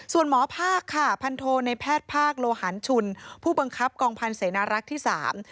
ส่วนหมอภาคค่ะพันโทในแพทย์ภาคโลหันชุนผู้บังคับกองพันธ์เสนารักษ์ที่สาม